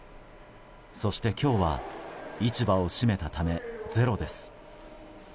そして今日は市場を閉めたためゼロです。